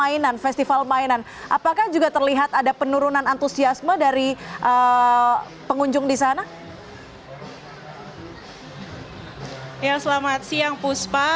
ya selamat siang puspa